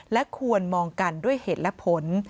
และควรมองกันด้วยเหตุและผล